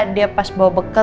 dia pas bawa bekal